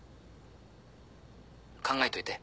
考えといて。